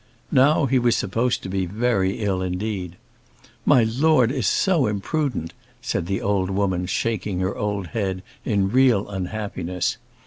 Now he was supposed to be very ill indeed. "My Lord is so imprudent!" said the old woman, shaking her old head in real unhappiness.